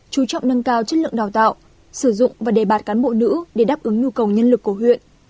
chú trọng nâng cao chất lượng đào tạo sử dụng và đề bạt cán bộ nữ để đáp ứng nhu cầu nhân lực của huyện